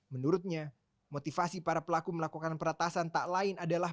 menurutnya motivasi para pelaku melakukan peretasan tak lain adalah